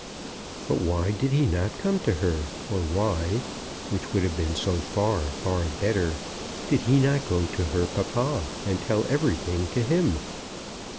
But why did he not come to her; or why, which would have been so far, far better, did he not go to her papa and tell everything to him?